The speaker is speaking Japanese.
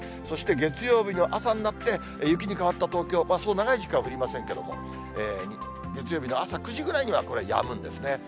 そして、月曜日の朝になって、雪に変わった東京、そう長い時間降りませんけれども、月曜日の朝９時ぐらいにはこれ、やむんですね。